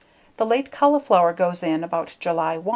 The late cauliflower goes in about July 1.